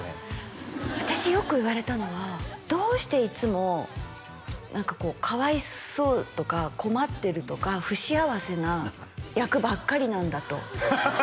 私よく言われたのはどうしていつも何かこうかわいそうとか困ってるとか不幸せな役ばっかりなんだとハハハ！